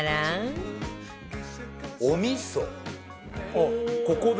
あっここで？